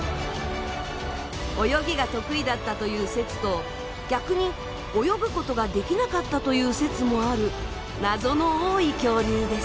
泳ぎが得意だったという説と逆に泳ぐことができなかったという説もある謎の多い恐竜です。